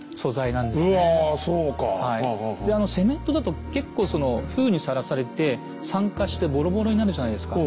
でセメントだと結構その風雨にさらされて酸化してボロボロになるじゃないですか。